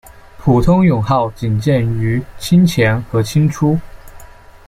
普通勇号仅见于清前和清初。